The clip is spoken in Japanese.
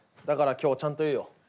だから今日ちゃんと言うよ。